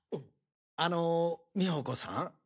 あの美穂子さん。